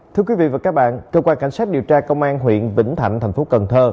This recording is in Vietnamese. thưa quý vị và các bạn cơ quan cảnh sát điều tra công an huyện vĩnh thạnh tp cn